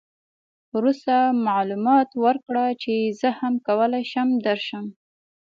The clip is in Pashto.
وروسته معلومات وکړه چې زه هم کولای شم درشم.